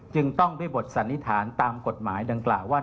จึงต้องด้วยบทสันนิษฐานตามกฎหมายดังกล่าวว่า